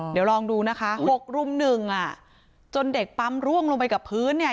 เดี๋ยวลองดูนะคะ๖รุ่มหนึ่งอ่ะจนเด็กปั๊มร่วงลงไปกับพื้นเนี่ย